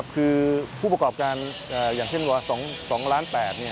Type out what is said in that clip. คือผู้ประกอบการอย่างเช่นว่า๒ล้าน๘